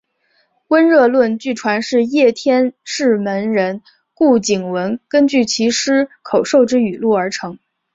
温热论据传是叶天士门人顾景文根据其师口授之语录而成。